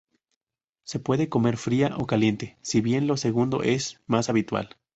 Se puede comer fría o caliente, si bien lo segundo es más habitual.